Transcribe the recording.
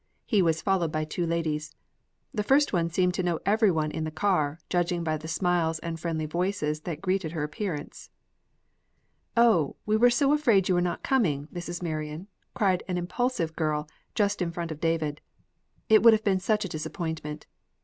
He was followed by two ladies. The first one seemed to know every one in the car, judging by the smiles and friendly voices that greeted her appearance. "O, we were so afraid you were not coming, Mrs. Marion," cried an impulsive young girl, just in front of David. "It would have been such a disappointment.